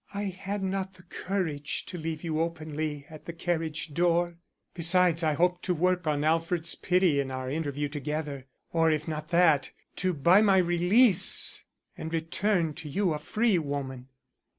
"I had not the courage to leave you openly at the carriage door. Besides, I hoped to work on Alfred's pity in our interview together, or, if not that, to buy my release and return to you a free woman.